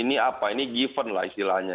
ini given lah istilahnya